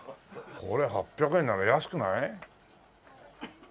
これ８００円なら安くない？